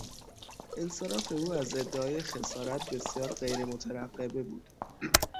انصراف او از ادعای خسارت بسیار غیر مترقبه بود.